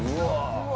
うわ。